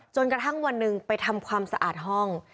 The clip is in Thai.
จนกระทั่งวันหนึ่งไปทำความสะอาดห้อง